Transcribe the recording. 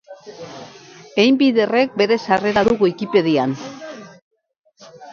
Einbinderrek bere sarrera du Wikipedian.